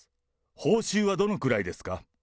報酬はどのくらいですか？